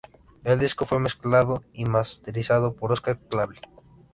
El disco fue mezclado y masterizado por Óscar Clavel.